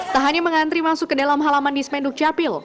tak hanya mengantri masuk ke dalam halaman di spenduk capil